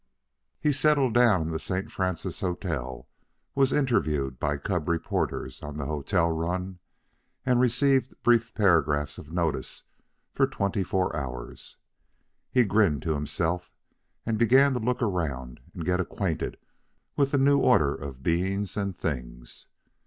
He settled down in St. Francis Hotel, was interviewed by the cub reporters on the hotel run, and received brief paragraphs of notice for twenty four hours. He grinned to himself, and began to look around and get acquainted with the new order of beings and things.